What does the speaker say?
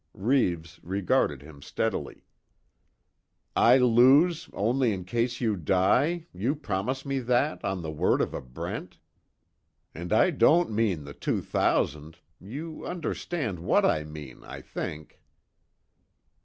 Reeves regarded him steadily: "I lose, only in case you die you promise me that on the word of a Brent? And I don't mean the two thousand you understand what I mean, I think."